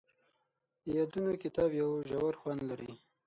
د یادونو کتاب یو ژور خوند لري.